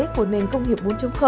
của nền công nghiệp bốn